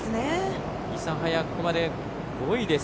諫早、ここまで５位です。